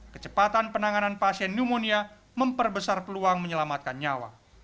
kecepatan penanganan pasien pneumonia memperbesar peluang menyelamatkan nyawa